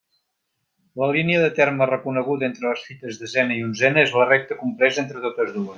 La línia de terme reconeguda entre les fites desena i onzena és la recta compresa entre totes dues.